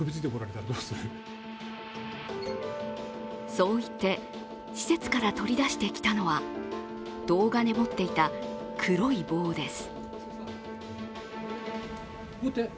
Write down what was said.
そう言って、施設から取り出してきたのは、動画で持っていた黒い棒です。